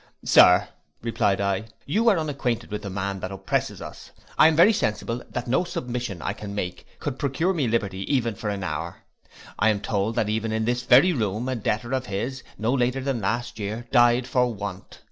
'Sir,' replied I, 'you are unacquainted with the man that oppresses us. I am very sensible that no submission I can make could procure me liberty even for an hour. I am told that even in this very room a debtor of his, no later than last year, died for want.